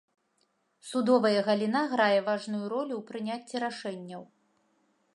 Судовая галіна грае важную ролю ў прыняцці рашэнняў.